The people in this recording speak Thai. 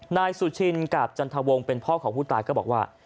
นายสุชินกับจันทวงศ์เป็นพ่อของผู้ตายก็บอกว่า